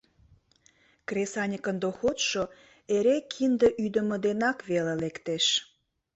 Кресаньыкын доходшо эре кинде ӱдымӧ денак веле лектеш.